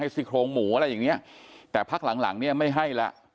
ซีโครงหมูอะไรอย่างเงี้ยแต่พักหลังหลังเนี่ยไม่ให้แล้ว